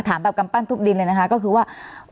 ถามแบบกำปั้นทุบดินเลยนะคะก็คือว่า